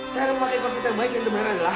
cara memakai korset yang baik yang sebenarnya adalah